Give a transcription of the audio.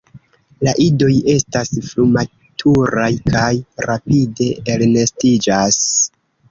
La idoj estas frumaturaj kaj rapide elnestiĝas.